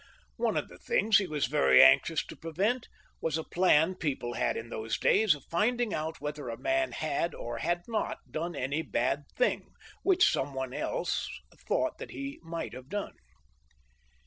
One of the things he was very anxious to prevent, was a plan people had in those days for finding out whether a man had or had not done any bad thing which some one else thought he might have done.